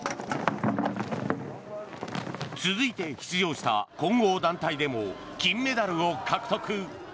続いて出場した混合団体でも金メダルを獲得。